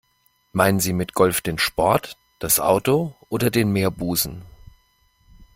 Meinen Sie mit Golf den Sport, das Auto oder den Meerbusen?